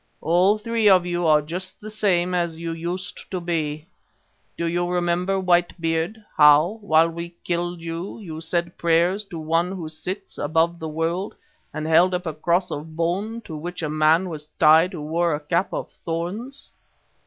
All three of you are just the same as you used to be. Do you remember, White Beard, how, while we killed you, you said prayers to One Who sits above the world, and held up a cross of bone to which a man was tied who wore a cap of thorns?